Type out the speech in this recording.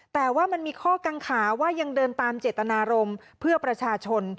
แต่ว่ามันมีข้อกังขาว่ายังเดินตามเจตนารมณ์เพื่อประชาชน